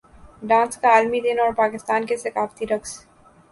dance کا عالمی دن اور پاکستان کے ثقافتی رقص